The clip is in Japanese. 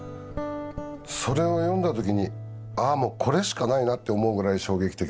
それを読んだ時に「ああもうこれしかないな」って思うぐらい衝撃的な文章だった。